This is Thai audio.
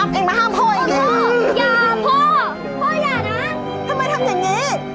ทำยังงี้